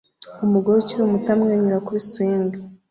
Umugore ukiri muto amwenyura kuri swing